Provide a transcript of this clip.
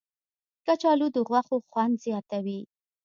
کچالو د غوښو خوند زیاتوي